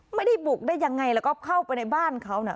ไม่ได้บุกได้ยังไงแล้วก็เข้าไปในบ้านเขาน่ะ